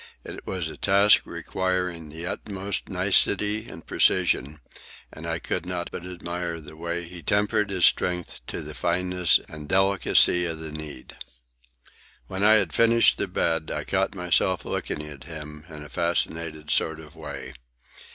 It was a task requiring the utmost nicety and precision, and I could not but admire the way he tempered his strength to the fineness and delicacy of the need. When I had finished the bed, I caught myself looking at him in a fascinated sort of way.